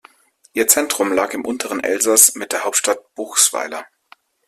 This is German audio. Ihr Zentrum lag im unteren Elsass mit der Hauptstadt Buchsweiler.